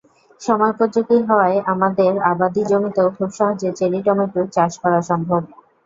সময়োপযোগী হওয়ায় আমাদের আবাদি জমিতেও খুব সহজে চেরি টমেটোর চাষ করা সম্ভব।